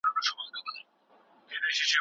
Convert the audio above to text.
روباټونه فابریکو ته هم ځي.